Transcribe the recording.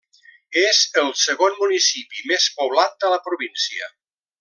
És el segon municipi més poblat de la província.